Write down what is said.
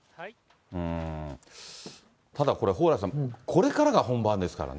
ただこれ、蓬莱さん、これからが本番ですからね。